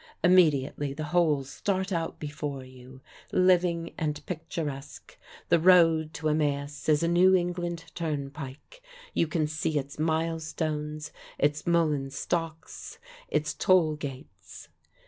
Immediately the whole start out before you, living and picturesque: the road to Emmaus is a New England turnpike; you can see its mile stones, its mullein stalks, its toll gates.